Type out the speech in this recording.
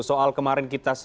soal kemarin kita sebutkan itu